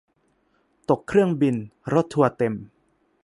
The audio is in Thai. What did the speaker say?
ตกเครื่องบิน รถทัวร์เต็ม